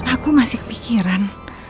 aku masih kepikiran